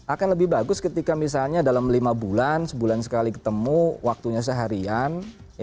akan lebih bagus ketika misalnya dalam lima bulan sebulan sekali ketemu waktunya seharian